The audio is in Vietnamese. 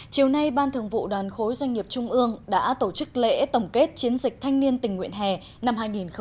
chiều nay ban thường vụ đoàn khối doanh nghiệp trung ương đã tổ chức lễ tổng kết chiến dịch thanh niên tình nguyện hè năm hai nghìn một mươi chín